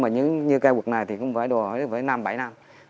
nhưng mà như cây quất này thì cũng phải đủ năm bảy năm